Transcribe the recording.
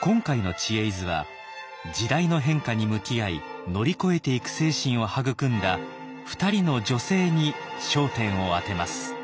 今回の「知恵泉」は時代の変化に向き合い乗り越えていく精神を育んだ２人の女性に焦点を当てます。